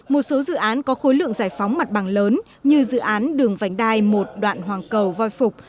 một số dự án có khối lượng giải phóng mặt bằng lớn như dự án đường vành đai một đoạn hoàng cầu voi phục